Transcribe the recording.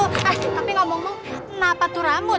eh tapi ngomong lu kenapa tuh rambut